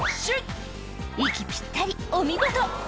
息ぴったり、お見事。